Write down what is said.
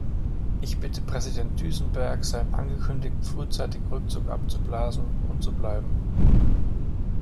Ich bitte Präsident Duisenberg, seinen angekündigten frühzeitigen Rückzug abzublasen und zu bleiben.